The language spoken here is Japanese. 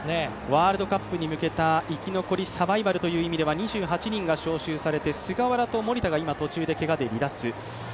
ワールドカップに向けた生き残りサバイバルという意味では２８人が招集されて菅原と守田が今、途中、けがで離脱。